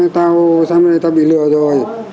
tao sang đây tao bị lừa rồi